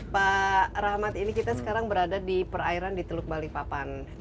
pak rahmat ini kita sekarang berada di perairan di teluk balikpapan